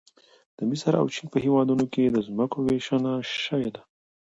د مصر او چین په هېوادونو کې د ځمکو ویشنه شوې ده